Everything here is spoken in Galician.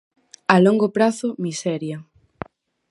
A longo prazo, miseria.